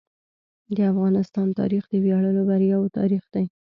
د افغانستان تاریخ د ویاړلو بریاوو تاریخ دی.